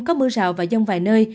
có mưa rào và giông vài nơi